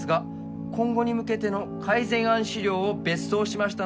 「今後に向けての改善案資料を別送しましたので」